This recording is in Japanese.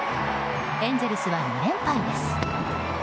エンゼルスは２連敗です。